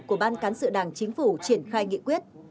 của ban cán sự đảng chính phủ triển khai nghị quyết